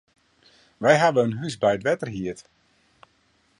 Wy hawwe in hûs by it wetter hierd.